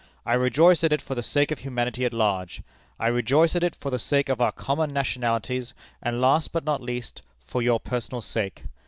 I rejoice at it for the sake of humanity at large. I rejoice at it for the sake of our common nationalities, and last but not least, for your personal sake.